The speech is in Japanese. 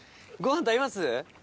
ご飯と合います？